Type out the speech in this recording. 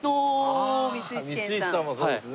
ああ光石さんもそうですね。